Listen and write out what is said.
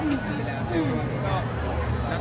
เท่าที่มันเอย